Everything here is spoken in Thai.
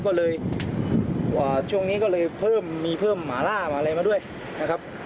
ก็เลยช่วงนี้ก็เลยเพิ่มมีเพิ่มหมาล่าอะไรมาด้วยนะครับ